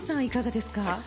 いかがですか？